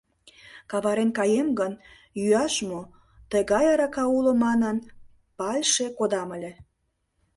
— Каварен каем гын, йӱаш мо, тыгай арака уло манын, пал ьше кодам ыле.